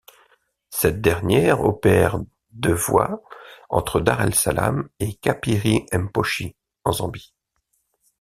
Cette dernière opère de voies entre Dar es Salaam et Kapiri Mposhi, en Zambie.